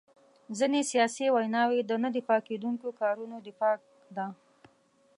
ځینې سیاسي ویناوي د نه دفاع کېدونکو کارونو دفاع ده.